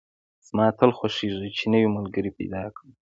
زما تل خوښېږي چې نوی ملګري پیدا کدم